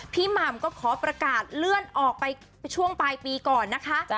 หม่ำก็ขอประกาศเลื่อนออกไปช่วงปลายปีก่อนนะคะ